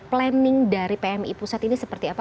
planning dari pmi pusat ini seperti apa